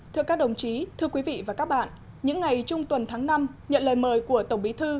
thưa các đồng chí thưa quý vị và các bạn những ngày trung tuần tháng năm nhận lời mời của tổng bí thư